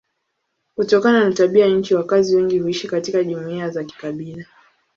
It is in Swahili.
Kutokana na tabia ya nchi wakazi wengi huishi katika jumuiya za kikabila.